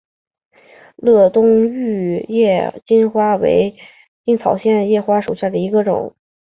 乐东玉叶金花为茜草科玉叶金花属下的一个种。